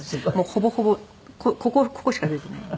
ほぼほぼここしか出てないんで。